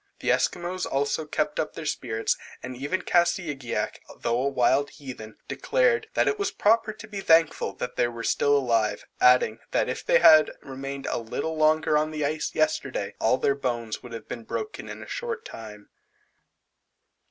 The Esquimaux also kept up their spirits, and even Kassigiak, though a wild heathen, declared; that it was proper to be thankful that they were still alive; adding, that if they had remained a little longer on the ice yesterday all their bones would have been broken in a short time.